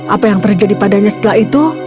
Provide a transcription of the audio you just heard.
apa yang terjadi padanya setelah itu